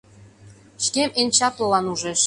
Шкем эн чаплылан ужеш